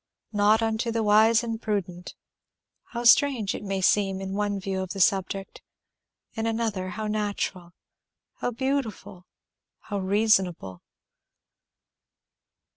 "Not unto the wise and prudent;" how strange it may seem in one view of the subject, in another, how natural, how beautiful, how reasonable!